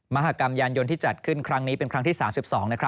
มหากรรมยานยนต์ที่จัดขึ้นครั้งนี้เป็นครั้งที่๓๒